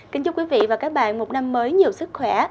kính chúc quý vị và các bạn một năm mới nhiều sức khỏe